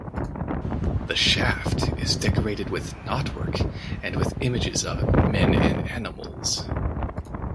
The shaft is decorated with knotwork and with images of men and animals.